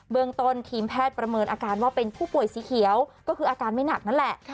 เมืองต้นทีมแพทย์ประเมินอาการว่าเป็นผู้ป่วยสีเขียวก็คืออาการไม่หนักนั่นแหละ